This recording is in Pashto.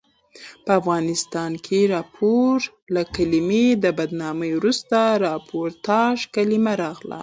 په افغانستان کښي راپور له کلمې د بدنامي وروسته راپورتاژ کلیمه راغله.